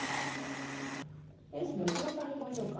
フェンスの後ろ側に行きましょうか。